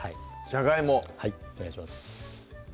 じゃがいもはいお願いします